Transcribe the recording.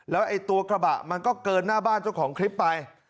แล้วไอ้ตัวกระบะมันก็เกินหน้าบ้านเจ้าของคลิปไป